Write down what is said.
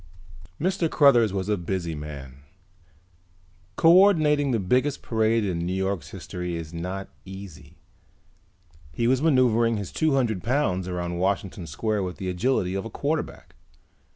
_ Mr. Cruthers was a busy man. Coordinating the biggest parade in New York's history is not easy. He was maneuvering his two hundred pounds around Washington Square with the agility of a quarterback.